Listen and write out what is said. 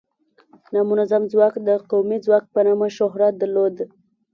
نامنظم ځواک د قومي ځواک په نامه شهرت درلوده.